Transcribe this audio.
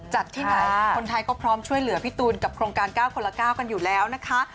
ที่ไหนคนไทยก็พร้อมช่วยเหลือพี่ตูนกับโครงการ๙คนละ๙กันอยู่แล้วนะคะ